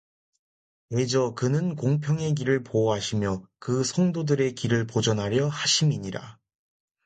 대저 그는 공평의 길을 보호하시며 그 성도들의 길을 보전하려 하심이니라